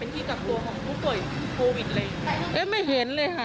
เป็นที่กลับตัวของผู้โดยโควิดเลย